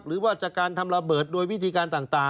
หรือว่าจากการทำระเบิดโดยวิธีการต่าง